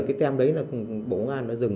cái tem đấy là bộ công an nó dừng